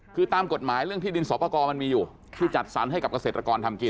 คือตามกฎหมายเรื่องที่ดินสอบประกอบมันมีอยู่ที่จัดสรรให้กับเกษตรกรทำกิน